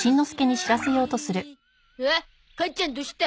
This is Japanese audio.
おっ母ちゃんどした？